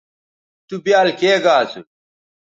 تُو بیال کے گا اسُو